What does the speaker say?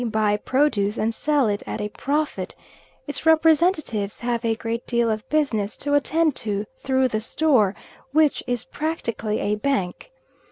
buy produce and sell it at a profit, its representatives have a great deal of business to attend to through the store, which is practically a bank.